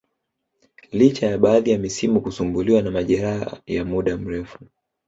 licha ya baadhi ya misimu kusumbuliwa na majeraha ya muda mrefu